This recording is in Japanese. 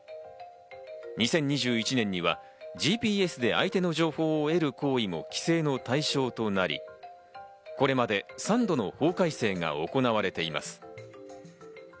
２０２１年にはＧＰＳで相手の情報を得る行為も規制の対象となり、これまで３度の法改正が行われています。